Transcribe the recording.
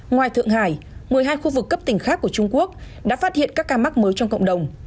ngoài thượng hải một mươi hai khu vực cấp tỉnh khác của trung quốc đã phát hiện các ca mắc mới trong cộng đồng